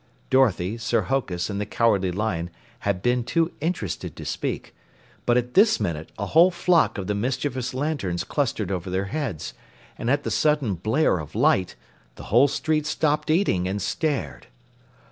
Dorothy, Sir Hokus and the Cowardly Lion had been too interested to speak, but at this minute a whole flock of the mischievous lanterns clustered over their heads, and at the sudden blare of light the whole street stopped eating and stared.